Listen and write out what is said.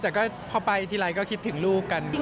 แต่ก็พอไปทีไรก็คิดถึงลูกกัน